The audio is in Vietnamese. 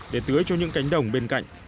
để tưới cho những cánh đồng bên cạnh